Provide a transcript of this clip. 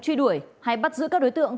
truy đuổi hay bắt giữ các đối tượng